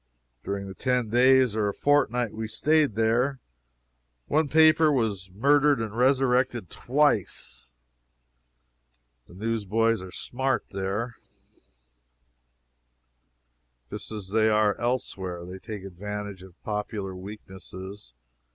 During the ten days or a fortnight we staid there one paper was murdered and resurrected twice. The newsboys are smart there, just as they are elsewhere. They take advantage of popular weaknesses.